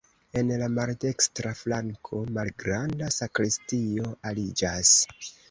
En la maldekstra flanko malgranda sakristio aliĝas.